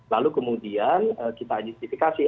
lalu kemudian kita identifikasi